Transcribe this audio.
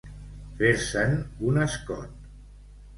Fer-se'n un escot.